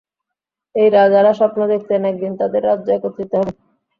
এই রাজারা স্বপ্ন দেখতেন একদিন তাদের রাজ্য একত্রিত হবে।